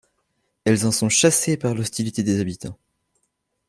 Elles en sont chassées par l'hostilité des habitants.